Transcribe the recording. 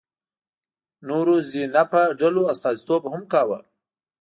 نورو ذینفع ډلو استازیتوب هم کاوه.